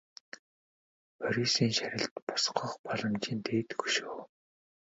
Борисын шарилд босгох боломжийн дээд хөшөө.